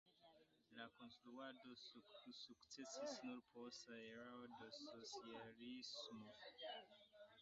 La konstruado sukcesis nur post erao de socialismo.